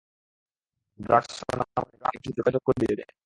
Drugs, সোনামণি, drugs - একটু যোগাযোগ করিয়ে দে!